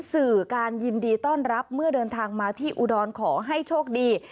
สื่อการยินดีต้อนรับเมื่อเดินทางมาที่อุดรขอให้โชคดี